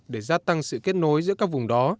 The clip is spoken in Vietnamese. để gia tăng sự kết nối giữa các vùng đó